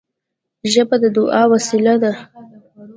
ژبه د دعا وسیله ده